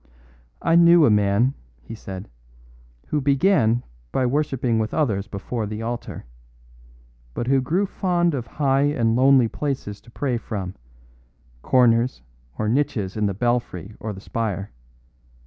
"I knew a man," he said, "who began by worshipping with others before the altar, but who grew fond of high and lonely places to pray from, corners or niches in the belfry or the spire.